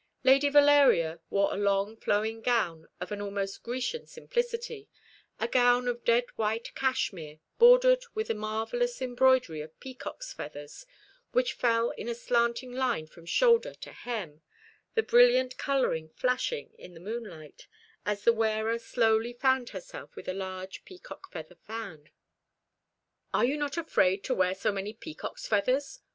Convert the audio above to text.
Lady Valeria wore a long flowing gown of an almost Grecian simplicity, a gown of dead white cashmere, bordered with a marvellous embroidery of peacocks' feathers, which fell in a slanting line from shoulder to hem, the brilliant colouring flashing in the moonlight, as the wearer slowly fanned herself with a large peacock feather fan. "Are you not afraid to wear so many peacocks' feathers?"